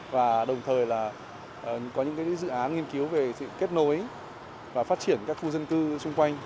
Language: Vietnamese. và đồng thời là có những dự án nghiên cứu về sự kết nối và phát triển các khu dân cư xung quanh